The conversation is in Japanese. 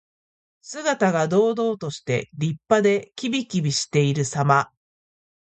姿が堂々として、立派で、きびきびしているさま。